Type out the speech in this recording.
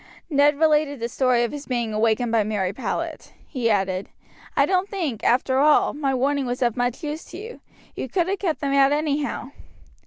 Ned related the story of his being awakened by Mary Powlett. He added, "I don't think, after all, my warning was of much use to you. You could have kept them out anyhow."